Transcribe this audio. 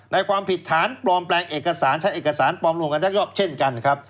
ความผิดฐานปลอมแปลงเอกสารใช้เอกสารปลอมรวมกันชักยอบเช่นกันครับ